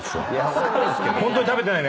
ホントに食べてないね？